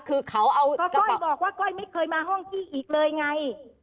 คือเขาก้อยบอกว่าก้อยไม่เคยมาห้องพี่อีกเลยไง